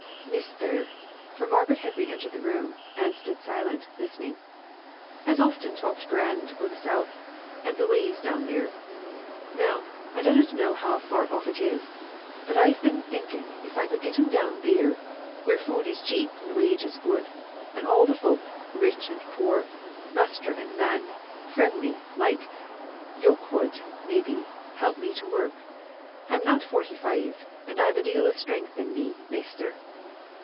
"Miss there" for Margaret had re entered the room, and stood silent, listening "has often talked grand o' the South, and the ways down there. Now I dunnot know how far off it is, but I been thinking if I could get 'em down theer, where food is cheap and wages good, and all the folk, rich and poor, master and man, friendly like; yo' could, may be, help me to work. I'm not forty five, and I've a deal o' strength in me, measter."